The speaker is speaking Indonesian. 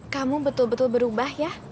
kamu betul betul berubah ya